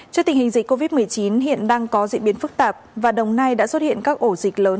trước tình hình dịch covid một mươi chín hiện đang có diễn biến phức tạp và đồng nai đã xuất hiện các ổ dịch lớn